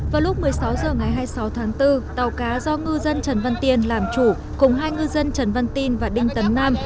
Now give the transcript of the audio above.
vào lúc một mươi sáu h ngày hai mươi sáu tháng bốn tàu cá do ngư dân trần văn tiên làm chủ cùng hai ngư dân trần văn tin và đinh tấn nam